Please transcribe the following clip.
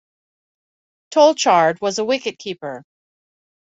Tolchard was a wicket-keeper.